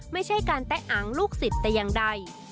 ไม่ใช่การแตะอังลูกศิษย์แต่อย่างใด